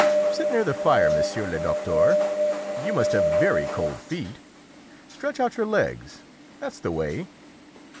Sit near the fire, monsieur le docteur; you must have very cold feet. Stretch out your legs; that's the way."